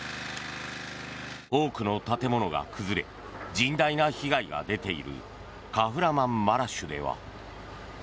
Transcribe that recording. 多くの建物が崩れ甚大な被害が出ているカフラマンマラシュでは。